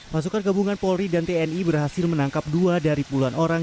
pasukan gabungan polri dan tni berhasil menangkap dua dari puluhan orang